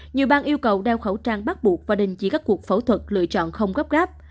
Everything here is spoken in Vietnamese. nhiều bang yêu cầu đeo khẩu trang bắt buộc và đình chỉ các cuộc phẫu thuật lựa chọn không gấp gáp